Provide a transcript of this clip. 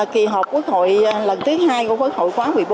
kỳ họp quốc hội lần thứ hai của quốc hội khóa một mươi bốn